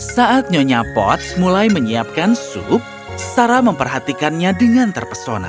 saat nyonya pot mulai menyiapkan sup sarah memperhatikannya dengan terpesona